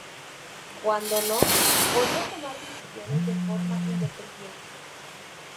Cuando no, podía tomar decisiones de forma más independiente.